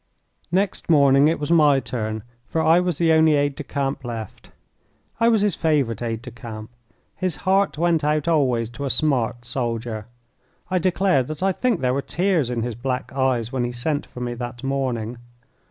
Next morning it was my turn, for I was the only aide de camp left. I was his favourite aide de camp. His heart went out always to a smart soldier. I declare that I think there were tears in his black eyes when he sent for me that morning.